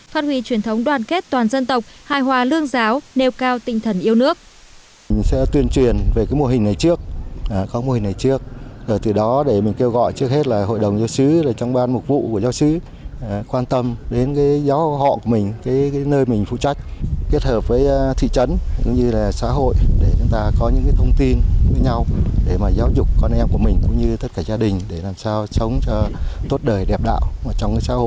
phát huy truyền thống đoàn kết toàn dân tộc hài hòa lương giáo nêu cao tinh thần yêu nước